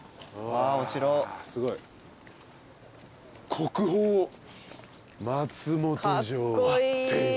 国宝松本城天守。